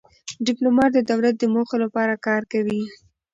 ډيپلومات د دولت د موخو لپاره کار کوي.